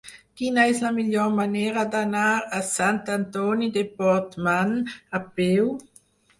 Quina és la millor manera d'anar a Sant Antoni de Portmany a peu?